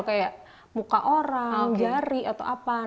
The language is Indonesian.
kayak muka orang jari atau apa